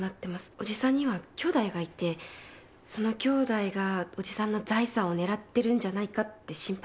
おじさんには兄妹がいてその兄妹がおじさんの財産を狙ってるんじゃないかって心配してるんです。